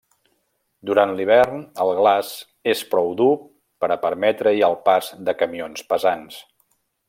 Durant l'hivern, el glaç és prou dur per a permetre-hi el pas de camions pesants.